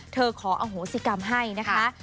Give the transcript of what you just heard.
ขออโหสิกรรมให้นะคะ